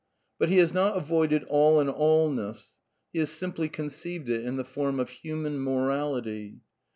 But he has not avoided AU in All ness; he has simply conceived it in the form of human^'N morality.